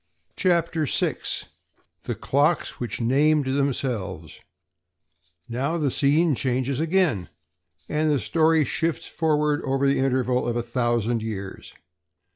CHAPTER SIX The Clocks Which Named Themselves Now the scene changes again, and the story shifts forward over the interval of a thousand years.